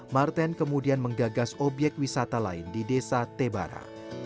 martin kemudian menggagas obyek wisata lain di desa tebara